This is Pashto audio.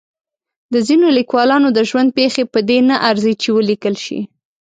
د ځینو لیکوالانو د ژوند پېښې په دې نه ارزي چې ولیکل شي.